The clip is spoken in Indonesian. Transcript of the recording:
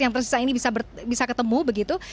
yang tersisa ini bisa ketemu begitu